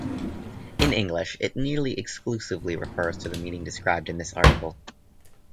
In English it nearly exclusively refers to the meaning described in this article.